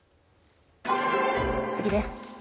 次です。